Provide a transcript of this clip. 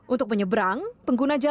untuk penyebrang pengguna jalan kaki